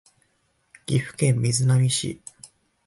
岐阜県瑞浪市